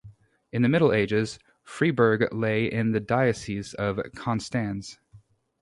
In the Middle Ages, Freiburg lay in the Diocese of Konstanz.